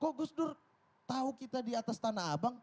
kok gus dur tahu kita di atas tanah abang